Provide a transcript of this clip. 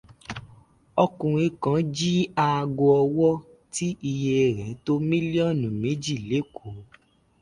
Ọkùnrin kan jí aago ọwọ́ tí iye rẹ̀ tó mílíọ̀nù méjì l'Ékò.